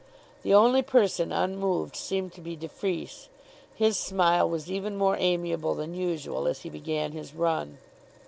The only person unmoved seemed to be de Freece. His smile was even more amiable than usual as he began his run.